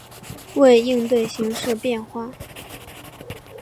为应对形势变化